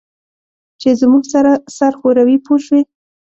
چې زموږ سره سر ښوروي پوه شوې!.